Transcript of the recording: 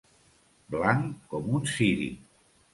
Blanc com un ciri.